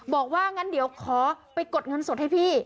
บอกว่างั้นเดี๋ยวขอไปกดเงินสดให้พี่